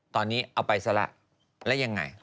ตอนนี้เอาไปซะละแล้วยังไง